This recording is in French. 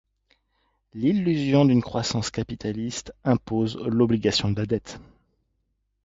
L'illusion d'une croissance capitaliste impose l'obligation de la dette